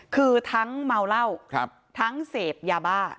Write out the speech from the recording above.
คือทั้งเมาเหล้าทั้งเสพยาบ้า